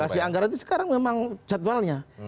alokasi anggaran itu sekarang memang jadwalnya